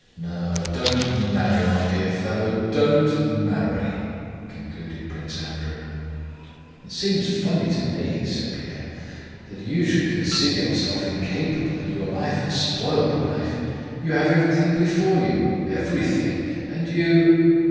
No, don't marry, my dear fellow; don't marry!" concluded Prince Andrew. "It seems funny to me," said Pierre, "that you, you should consider yourself incapable and your life a spoiled life. You have everything before you, everything. And you...."